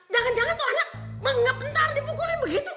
jangan jangan tuh anak menggep entar dipukulin begitu